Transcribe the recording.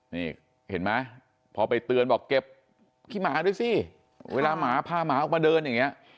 นี่เห็นไหมพอไปเตือนบอกเก็บขี้หมาด้วยสิเวลาหมาพาหมาออกมาเดินอย่างนี้